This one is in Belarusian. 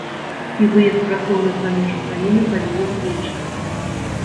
І выезд працоўных за межы краіны павінен зменшыцца.